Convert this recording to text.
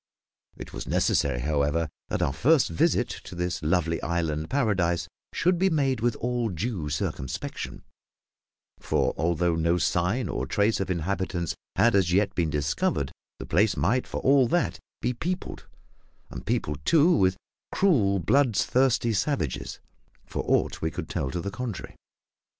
It was necessary, however, that our first visit to this lovely island paradise should be made with all due circumspection; for although no sign or trace of inhabitants had as yet been discovered, the place might for all that be peopled, and peopled, too, with cruel, bloodthirsty savages, for aught we could tell to the contrary.